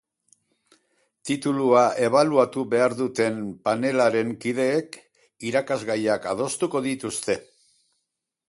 Titulua ebaluatu behar duten panelaren kideek irakasgaiak adostuko dituzte.